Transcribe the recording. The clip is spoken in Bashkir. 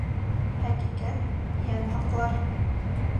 Хәҡиҡәт йән һаҡлар.